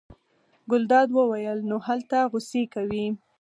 ګلداد وویل: نو هلته غوسې کوې.